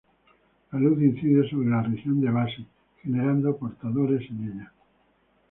La luz incide sobre la región de base, generando portadores en ella.